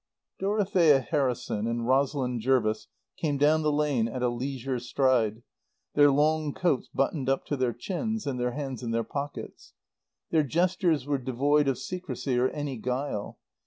Dorothea Harrison and Rosalind Jervis came down the lane at a leisured stride, their long coats buttoned up to their chins and their hands in their pockets. Their I gestures were devoid of secrecy or any guile.